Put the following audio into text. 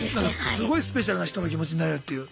すごいスペシャルな人の気持ちになれるっていう。